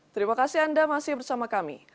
terima kasih anda masih bersama kami